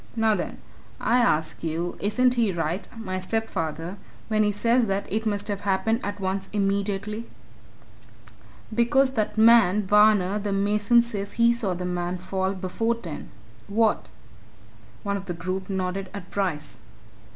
Now, then, I ask you isn't he right, my stepfather, when he says that it must have happened at once immediately? "Because that man, Varner, the mason, says he saw the man fall before ten. What?" One of the group nodded at Bryce.